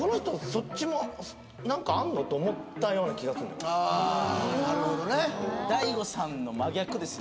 そっちも何かあんの？と思ったような気がすんのなるほどね